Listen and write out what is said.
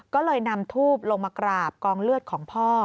ก็เลยนำทูบลงมากราบกองเลือดของพ่อ